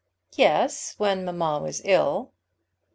"Yes, when mamma was ill."